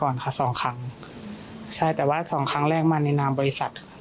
ใช่เคยทำมาก่อนค่ะ๒ครั้งใช่แต่ว่า๒ครั้งแรกมาแนะนำบริษัท